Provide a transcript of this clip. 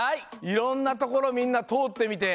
いろんなところみんなとおってみて。